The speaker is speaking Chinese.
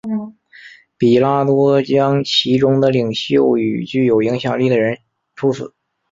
彼拉多将其中的领袖与具有影响力的人处死。